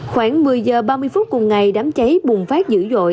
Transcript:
khoảng một mươi giờ ba mươi phút cùng ngày đám cháy bùng phát dữ dội